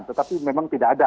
tetapi memang tidak ada